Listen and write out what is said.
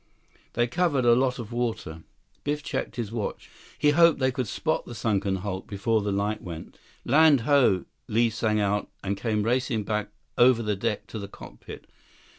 They covered a lot of water. Biff checked his watch. He hoped they could spot the sunken hulk before the light went. 136 "Land ho!" Li sang out and came racing back over the deck to the cockpit.